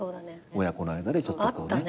親子の間でちょっとこうね。